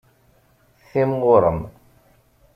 Timɣurem.